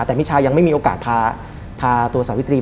และไม่เคยเข้าไปในห้องมิชชาเลยแม้แต่ครั้งเดียว